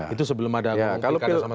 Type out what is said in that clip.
itu sebelum ada ngomong pilkada sama sekali